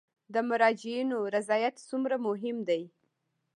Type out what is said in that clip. د مراجعینو رضایت څومره مهم دی؟